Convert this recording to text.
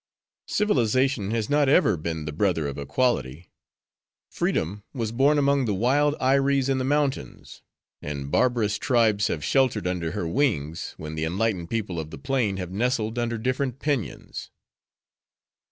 "Civilization has not ever been the brother of equality. Freedom was born among the wild eyries in the mountains; and barbarous tribes have sheltered under her wings, when the enlightened people of the plain have nestled under different pinions.